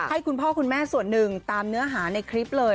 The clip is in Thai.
ให้คุณพ่อคุณแม่ส่วนหนึ่งตามเนื้อหาในคลิปเลย